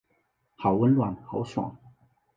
好温暖好爽